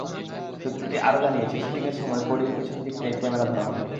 সূত্রটি আরও জানিয়েছে, শুটিংয়ের সময় কডির পেছন দিক থেকে ক্যামেরা ধরা হবে।